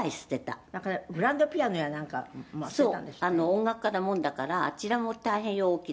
音楽家なもんだからあちらも大変よ大きなもの